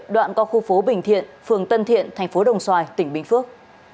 đoạn có khu phố bình thiện phường tân thiện tp đồng xoài tỉnh bình phước